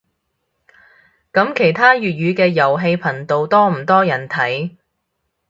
噉其他粵語嘅遊戲頻道多唔多人睇